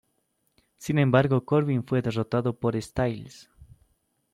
Sin embargo, Corbin fue derrotado por Styles.